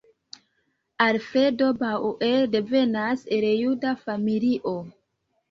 Alfredo Bauer devenas el juda familio.